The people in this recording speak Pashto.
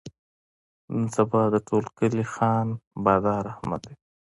نن سبا د ټول کلي خان بادار احمد دی.